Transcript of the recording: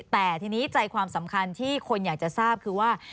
แต่ทีนี้ใจความสำคัญที่คนอยากจะทราบคือว่า